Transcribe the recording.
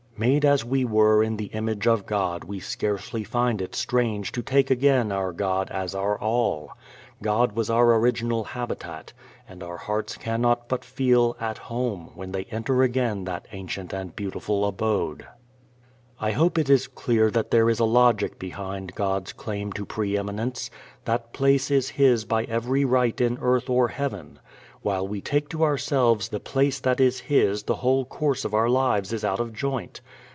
Made as we were in the image of God we scarcely find it strange to take again our God as our All. God was our original habitat and our hearts cannot but feel at home when they enter again that ancient and beautiful abode. I hope it is clear that there is a logic behind God's claim to pre eminence. That place is His by every right in earth or heaven. While we take to ourselves the place that is His the whole course of our lives is out of joint.